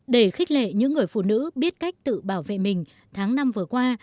để khích lệ những người phụ nữ biết cách tự bảo vệ mình tháng năm vừa qua